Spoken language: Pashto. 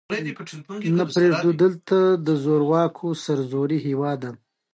ته د کم ځای یې